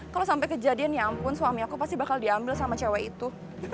kalau sampai kejadian ya ampun suami aku pasti bakal diambil sama cewek itu